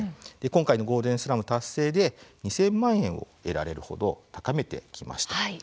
今回のゴールデンスラム達成で２０００万円を得られるほど高めてきました。